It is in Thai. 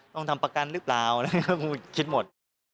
ต้องทำประกันหรือเปล่าคิดหมด